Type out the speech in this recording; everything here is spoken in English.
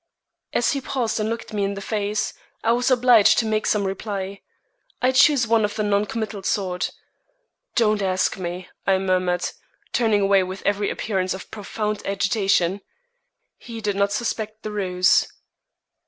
As he paused and looked me in the face, I was obliged to make some reply. I chose one of the non committal sort. "Don't ask me!" I murmured, turning away with every appearance of profound agitation. He did not suspect the ruse.